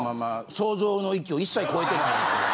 想像の域を一切超えてないですけど。